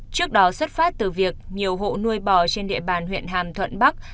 trước đó xuất phát từ việc nhiều hộ nuôi bò trên địa bàn huyện hàm thuận bắc